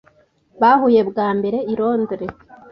Bahuye bwa mbere i Londres.